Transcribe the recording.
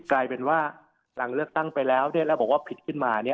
กลายเป็นว่าหลังเลือกตั้งไปแล้วแล้วบอกว่าผิดขึ้นมา